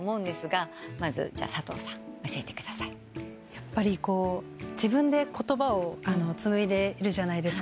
やっぱり自分で言葉を紡いでるじゃないですか。